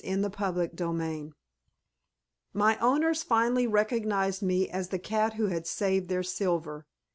CHAPTER VI My owners finally recognized me as the cat who had saved their silver.